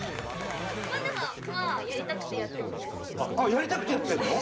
やりたくてやってるの？